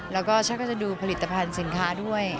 แล้วก็ฉันก็จะดูผลิตภัณฑ์สินค้าด้วย